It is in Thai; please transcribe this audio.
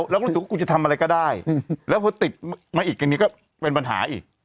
รู้สึกว่าคุณจะทำอะไรก็ได้แล้วพอติดมาอีกอันนี้ก็เป็นปัญหาอีก